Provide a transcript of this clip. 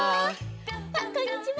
あっこんにちは！